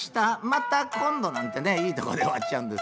また今度なんてねいいとこで終わっちゃうんですよね。